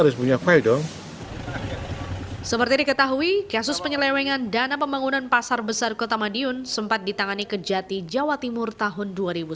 seperti diketahui kasus penyelewengan dana pembangunan pasar besar kota madiun sempat ditangani kejati jawa timur tahun dua ribu sembilan belas